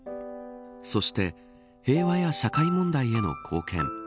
そして平和や社会問題への貢献。